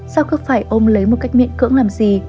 sao cứ phải ôm lấy một cách miệng cưỡng làm gì